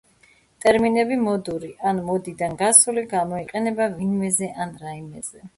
ტერმინები "მოდური" ან "მოდიდან გასული" გამოიყენება ვინმეზე ან რაიმეზე